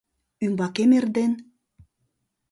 Ӱмбакем эрден